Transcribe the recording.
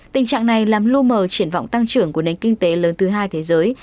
tình trạng này làm lưu mờ triển vọng tăng trưởng của nền kinh tế lớn thứ hai thế giới